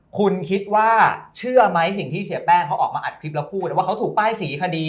คุณคิดว่าเชื่อไหมสิ่งที่เสียแป้งเขาออกมาอัดคลิปแล้วพูดว่าเขาถูกป้ายสีคดี